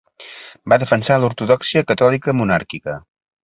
Va defensar l'ortodòxia catòlica monàrquica.